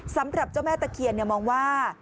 สำหรับเจ้าแม่ตะเคียนมองว่า